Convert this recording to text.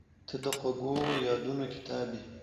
• ته د خوږو یادونو کتاب یې.